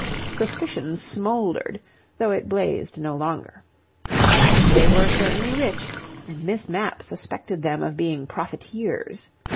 Suspicion smouldered, though it blazed no longer. They were certainly rich, and Miss Mapp suspected them of being profiteers.